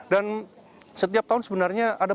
dan setiap tahun sebenarnya ada banyak